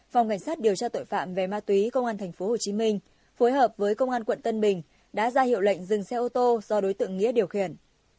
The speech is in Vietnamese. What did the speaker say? phòng cảnh sát điều tra tội phạm về ma túy công an tp hcm phối hợp với công an quận tân bình đã ra hiệu lệnh dừng xe ô tô do đối tượng nghĩa điều khiển